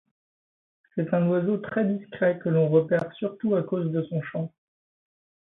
C'est un oiseau très discret que l'on repère surtout à cause de son chant.